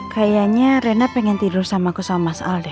kayaknya rena pengen tidur sama aku sama mas alda